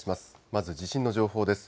まず地震の情報です。